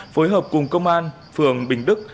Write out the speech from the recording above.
phối hợp cùng công an phường bình đức